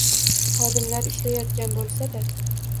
xodimlar ishlayotgan bo‘lsa-da